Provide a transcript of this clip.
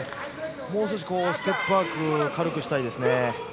もう少しステップワークを軽くしたいですね。